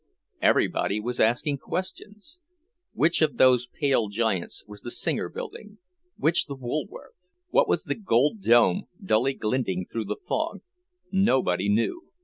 Everybody was asking questions. Which of those pale giants was the Singer Building? Which the Woolworth? What was the gold dome, dully glinting through the fog? Nobody knew.